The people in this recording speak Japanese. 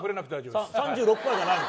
３６％じゃないの？